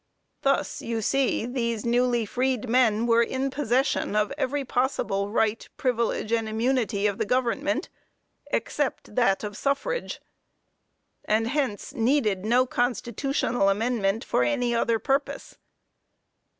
Thus, you see, those newly freed men were in possession of every possible right, privilege and immunity of the government, except that of suffrage, and hence, needed no constitutional amendment for any other purpose.